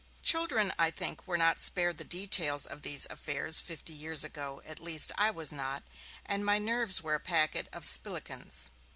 Children, I think, were not spared the details of these affairs fifty years ago; at least, I was not, and my nerves were a packet of spilikins.